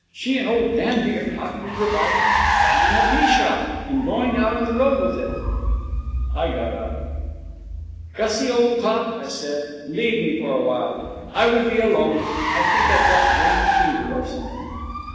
She and old Danby are talking of reviving "Fun in a Tea Shop", and going out on the road with it.' I got up. 'Gussie, old top,' I said, 'leave me for a while. I would be alone. I think I've got brain fever or something.'